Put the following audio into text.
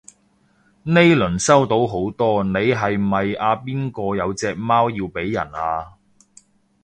呢輪收到好多你係咪阿邊個有隻貓要俾人啊？